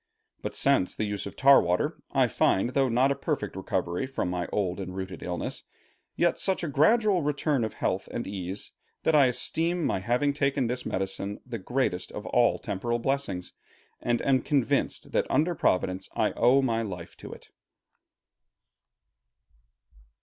But since the use of tar water, I find, though not a perfect recovery from my old and rooted illness, yet such a gradual return of health and ease, that I esteem my having taken this medicine the greatest of all temporal blessings, and am convinced that under Providence I owe my life to it.